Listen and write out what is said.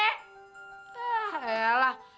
ah ya lah